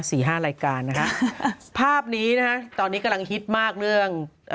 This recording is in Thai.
สี่ห้ารายการนะคะภาพนี้นะฮะตอนนี้กำลังฮิตมากเรื่องเอ่อ